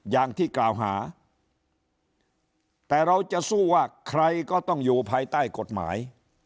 อย่างที่กล่าวหาแต่เราจะสู้ว่าใครก็ต้องอยู่ภายใต้กฎหมาย